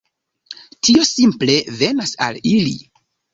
Tio simple venas al ili.